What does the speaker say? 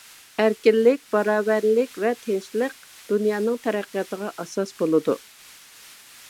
ئەركىنلىك، باراۋەرلىك ۋە تىنچلىق دۇنيانىڭ تەرەققىياتىغا ئاساس بولىدۇ.